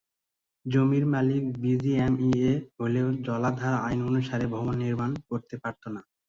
জমির মালিক বিজিএমইএ হলেও জলাধার আইন অনুসারে ভবন নির্মাণ করতে পারত না।